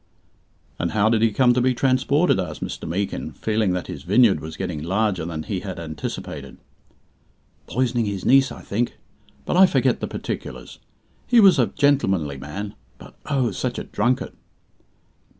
"And how did he come to be transported?" asked Mr. Meekin, feeling that his vineyard was getting larger than he had anticipated. "Poisoning his niece, I think, but I forget the particulars. He was a gentlemanly man, but, oh, such a drunkard!"